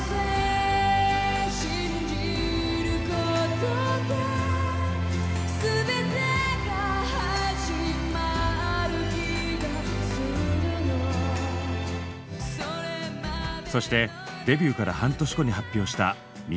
そしてデビューから半年後に発表した「三日月」。